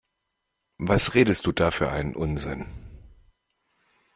Was redest du da für einen Unsinn?